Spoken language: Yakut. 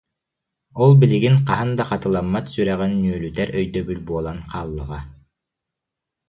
Ол билигин хаһан да хатыламмат сүрэҕин ньүөлүтэр өйдөбүл буолан хааллаҕа